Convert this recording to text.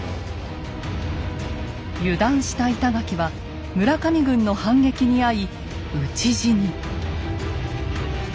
油断した板垣は村上軍の反撃に遭い討ち死に。